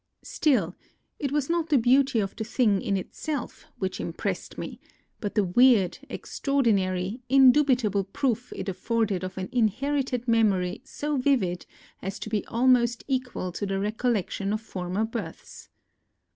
Still, it was not the beauty of the thing in itself which impressed me, but the weird, ex traordinary, indubitable proof it afforded of an inherited memory so vivid as to be almost equal to the recollection of former births.